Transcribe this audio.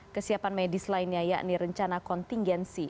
kesiapan medis lainnya yakni rencana kontingensi